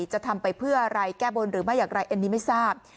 จะทำไปเพื่ออะไรแก้บนหรือไม่อย่างไรอันนี้ไม่ทราบ